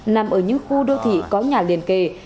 nằm ở những khu đô thị có nhà liên kề